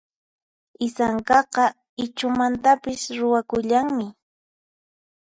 Isankaqa Ichhumantapis ruwakullanmi.